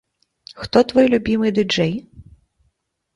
Хто твой любімы ды-джэй?